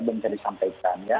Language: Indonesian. belum jadi sampaikan ya